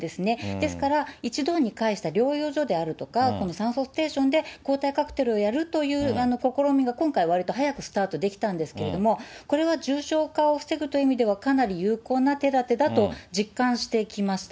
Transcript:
ですから、一堂に会した療養所であるとか、この酸素ステーションで抗体カクテルをやるという試みが今回割と早くスタートできたんですけれども、これは重症化を防ぐという意味では、かなり有効な手だてだと実感してきました。